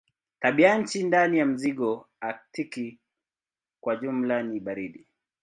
Tabianchi ndani ya mzingo aktiki kwa jumla ni baridi.